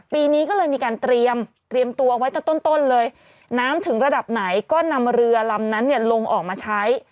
ปีนี้ก็เลยมีการเตรียมตัวไว้ตั้งแต่ต้นเลยน้ำถึงระดับไหนก็นำเรือลำนั้นเนี่ยลงออกมาใช้